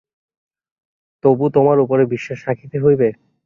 তবু তোমার উপরে বিশ্বাস রাখিতে হইবে?